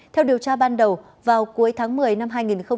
theo điều tra ban đầu vào cuối tháng một mươi năm hai nghìn hai mươi ba